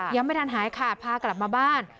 ยังไม่ทันหายขาดพากลับมาบ้าน